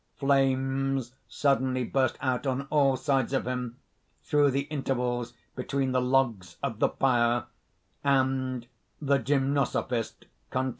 (Flames suddenly burst out on all sides of him, through the intervals between the logs of the pyre; and ) THE GYMNOSOPHIST (continues).